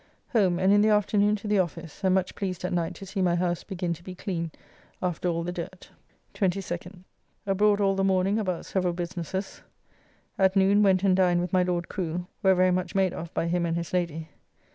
Home, and in the afternoon to the office, and much pleased at night to see my house begin to be clean after all the dirt. 22nd. Abroad all the morning about several businesses. At noon went and dined with my Lord Crew, where very much made of by him and his lady.